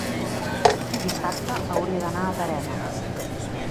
Dissabte hauria d'anar a Teresa.